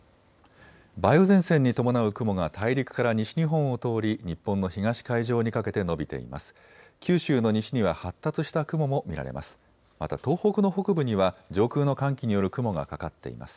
梅雨前線に伴う雲が大陸から西日本を通り日本の東海上にかけて延びています。